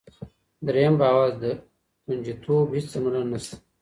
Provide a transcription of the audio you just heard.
دریم باور: د ګنجیتوب هېڅ درملنه نشته.